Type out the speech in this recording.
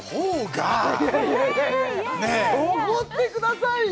おごってくださいよ